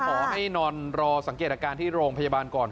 ขอให้นอนรอสังเกตอาการที่โรงพยาบาลก่อน